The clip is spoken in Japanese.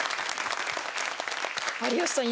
有吉さん